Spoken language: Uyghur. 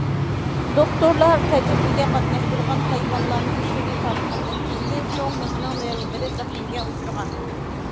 دوختۇرلار تەجرىبىگە قاتناشتۇرغان ھايۋانلارنىڭ چىشىنى تارتقاندىن كېيىن، چوڭ مېڭىنىڭ نېرۋىلىرى زەخمىگە ئۇچرىغان.